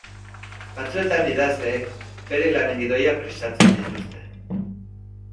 Batzuetan idazleek bere lanen gidoiak prestatzen dituzte.